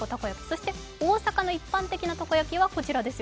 そして大阪の一般的なたこ焼きがこちらです。